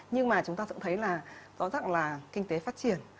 nhưng mà chúng ta cũng thấy là rõ ràng là kinh tế phát triển